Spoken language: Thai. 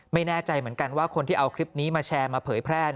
ไม่แน่ใจเหมือนกันว่าคนที่เอาคลิปนี้มาแชร์มาเผยแพร่